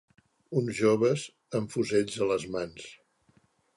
Uns joves, amb fusells a les mans